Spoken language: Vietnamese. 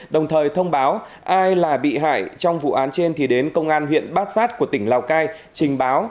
đồng thời thông báo ai là bị hại trong vụ án trên thì đến công an huyện bát sát của tỉnh lào cai trình báo